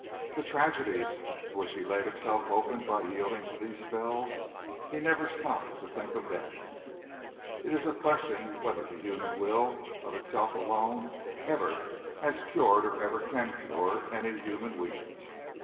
The tragedies to which he laid himself open by yielding to these spells he never stopped to think of them. It is a question whether the human will, of itself alone, ever has cured or ever can cure any human weakness.